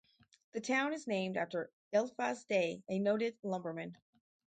The town is named after Eliphaz Day, a noted lumberman.